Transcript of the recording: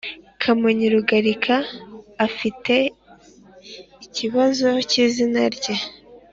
Kamonyi Rugarika Afite ikibazo cy izina rye